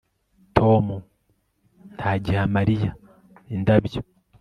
Tom ntagiha Mariya indabyo